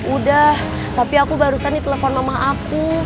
udah tapi aku barusan nih telepon mama aku